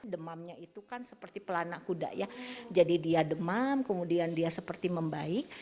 demamnya itu kan seperti pelanak kuda ya jadi dia demam kemudian dia seperti membaik